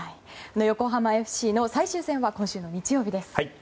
横浜ＦＣの最終戦は今週の日曜日です。